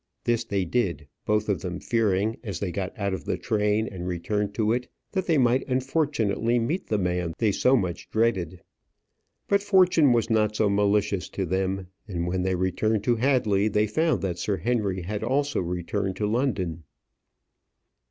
This they did, both of them fearing, as they got out of the train and returned to it, that they might unfortunately meet the man they so much dreaded. But fortune was not so malicious to them; and when they returned to Hadley they found that Sir Henry had also returned to London.